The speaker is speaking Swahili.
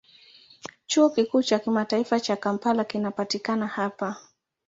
Chuo Kikuu cha Kimataifa cha Kampala kinapatikana hapa.